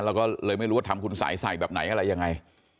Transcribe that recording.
เราก็เลยไม่รู้ว่าทำคุณสัยใส่แบบไหนอะไรยังไง